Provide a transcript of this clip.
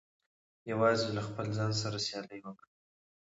یوازې له خپل ځان سره سیالي وکړئ.